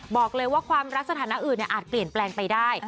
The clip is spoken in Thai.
บอกเลยว่าความรักสถานะอื่นอาจเปลี่ยนแปลงไปได้